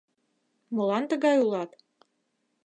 Молан тыгай улат?..